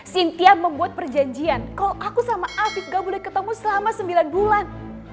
sintia membuat perjanjian kalau aku sama afiq gak boleh ketemu selama sembilan bulan